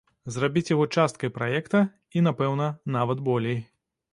Зрабіць яго часткай праекта, і, напэўна, нават болей.